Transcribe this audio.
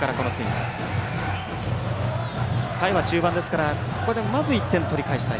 回は中盤ですからここでまずは１点取り返したい。